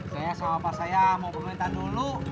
saya sama bapak saya mau pemerintah dulu